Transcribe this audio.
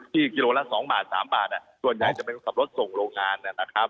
กิโลละ๒บาท๓บาทส่วนใหญ่จะเป็นคนขับรถส่งโรงงานนะครับ